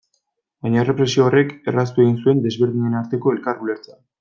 Baina errepresio horrek erraztu egin zuen desberdinen arteko elkar ulertzea.